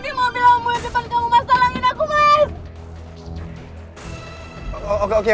aku di mobil omboid depan kamu mas salangin aku mas